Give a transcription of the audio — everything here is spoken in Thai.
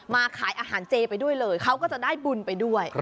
ขายอาหารเจไปด้วยเลยเขาก็จะได้บุญไปด้วย